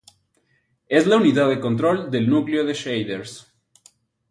Es la unidad de control del núcleo de shaders.